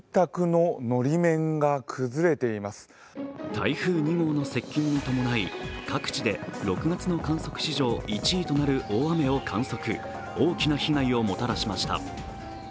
台風２号の接近に伴い、各地で６月の観測史上１位となる大雨を観測、大きな被害をもたらしました。